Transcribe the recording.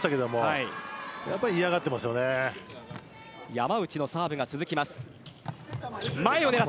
山内のサーブが続きます。